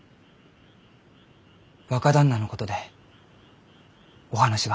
若旦那のことでお話が。